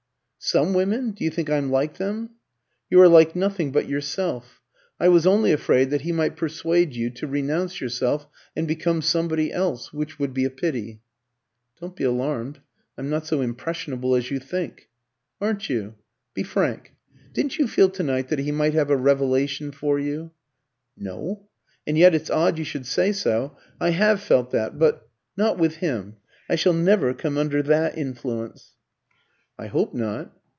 "Some women? Do you think I'm like them?" "You are like nothing but yourself. I was only afraid that he might persuade you to renounce yourself and become somebody else, which would be a pity." "Don't be alarmed. I'm not so impressionable as you think." "Aren't you? Be frank. Didn't you feel to night that he might have a revelation for you?" "No. And yet it's odd you should say so. I have felt that, but not with him. I shall never come under that influence." "I hope not."